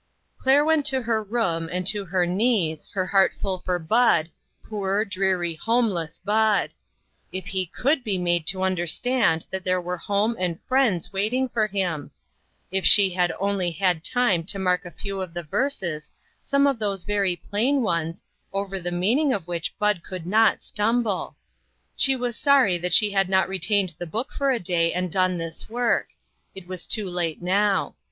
Claire went to her room, and to her knees, her heart full for Bud, poor, dreary, 24O INTERRUPTED. homeless Bud ! If he could be made to un derstand that there were home and friends waiting for him ! If she had only had time to mark a few of the verses, some of those very plain ones, over the meaning of which Bud could not stumble ! She was sorry that she had not retained the book for a day and done this work. It was too late now.